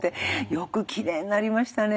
「よくきれいになりましたね」